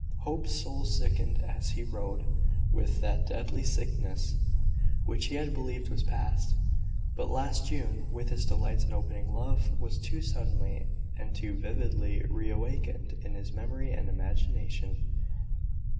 Hope's soul sickened as he read, with that deadly sickness which he had believed was past: but last June, with its delights and opening love, was too suddenly, and too vividly, re awakened in his memory and imagination.